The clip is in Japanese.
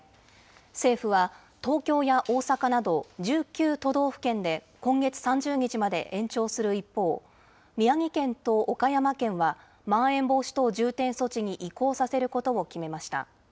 政府は東京や大阪など１９都道府県で今月３０日まで延長する一方、宮城県と岡山県は、まん延防止等重点措置に移行させることを決めました。